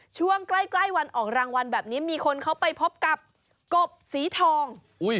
ช่วงใกล้วันออกรางวัลแบบนี้มีคนเขาไปพบกับกบสีทอง